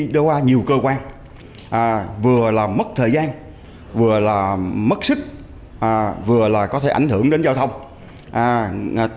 đi qua nhiều cơ quan vừa là mất thời gian vừa là mất sức vừa là có thể ảnh hưởng đến giao thông